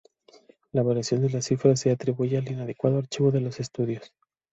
La variación de las cifras se atribuye al inadecuado archivo de los estudios.